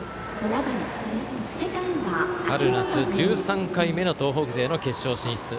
春夏１３回目の東北勢の決勝進出。